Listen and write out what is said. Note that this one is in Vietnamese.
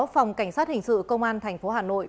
phòng cảnh sát hình sự công an thành phố hà nội